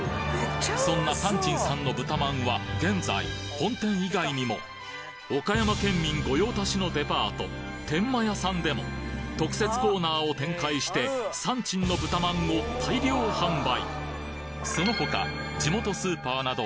そんな山珍さんの豚まんは現在本店以外にも岡山県民御用達のデパート天満屋さんでも特設コーナーを展開して山珍の豚まんを大量販売！